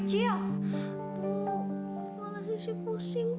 sisi mau tidur sama ibu